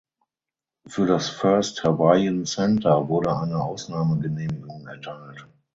Für das First Hawaiian Center wurde eine Ausnahmegenehmigung erteilt.